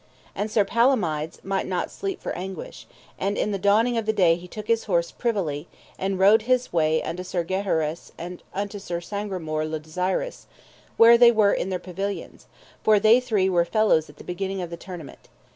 And Sir Palomides might not sleep for anguish; and in the dawning of the day he took his horse privily, and rode his way unto Sir Gaheris and unto Sir Sagramore le Desirous, where they were in their pavilions; for they three were fellows at the beginning of the tournament.